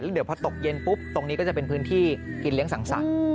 เดี๋ยวพอตกเย็นปุ๊บตรงนี้ก็จะเป็นพื้นที่กินเลี้ยงสังสรรค์